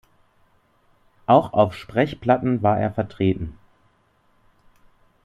Auch auf Sprechplatten war er vertreten.